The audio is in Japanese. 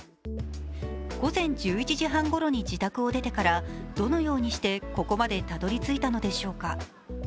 午前１１時半ごろに自宅を出てからどのようにしてここまでたどり着いたのでしょうか。